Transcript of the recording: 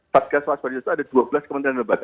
satgas waspada itu ada dua belas kementerian lembaga